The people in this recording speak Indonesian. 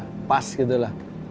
lebih enak lebih keras gitu lah